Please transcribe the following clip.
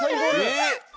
えっ？